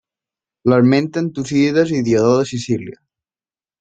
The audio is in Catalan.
L'esmenten Tucídides i Diodor de Sicília.